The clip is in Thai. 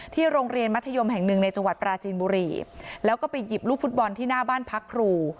โรงเรียนมัธยมแห่งหนึ่งในจังหวัดปราจีนบุรีแล้วก็ไปหยิบลูกฟุตบอลที่หน้าบ้านพักครู